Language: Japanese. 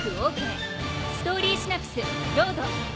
ストーリーシナプスロード。